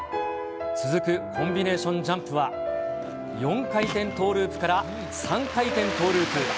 続くコンビネーションジャンプは、４回転トーループから３回転トーループ。